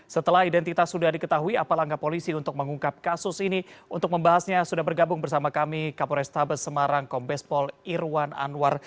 setelah identitas sudah diketahui apa langkah polisi untuk mengungkap kasus ini untuk membahasnya sudah bergabung bersama kami kapolres tabes semarang kombes pol irwan anwar